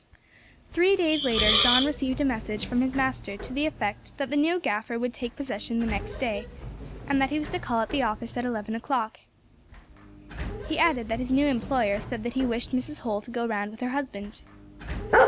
Three days later John received a message from his master to the effect that the new gaffer would take possession next day, and that he was to call at the office at eleven o'clock. He added that his new employer said that he wished Mrs. Holl to go round with her husband.